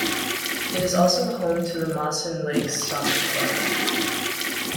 It is also home to the Mawson Lakes Soccer Club.